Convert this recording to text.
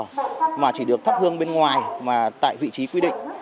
ví dụ như là chỉ được thắp hương bên ngoài mà tại vị trí quy định